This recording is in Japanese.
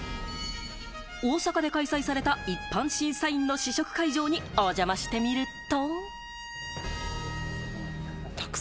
大阪で開催された一般審査員の試食会場にお邪魔してみると。